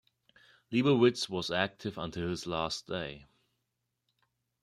Leibowitz was active until his last day.